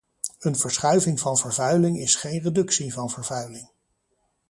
Een verschuiving van vervuiling is geen reductie van vervuiling.